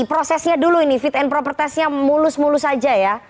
prosesnya dulu ini fit and proper testnya mulus mulus saja ya